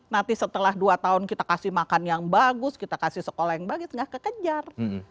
nanti setelah dua tahun kita kasih makan yang bagus kita kasih sekolah yang bagus nggak kekejar